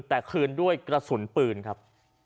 แต่คืนด้วยกระสุนปืนครับ